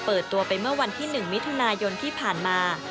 เปิดตัวไปเมื่อวันที่๑มิถุนายนที่ผ่านมา